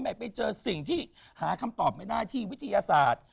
ไปเจอสิ่งที่หาคำตอบไม่ได้ที่วิทยาศาสตร์